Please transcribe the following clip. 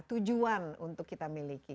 tujuan untuk kita miliki